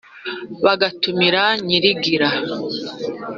Bagatumira Nyirigira,